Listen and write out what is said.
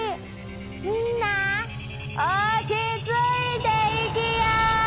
みんなおちついていきや。